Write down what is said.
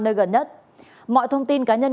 nơi gần nhất mọi thông tin cá nhân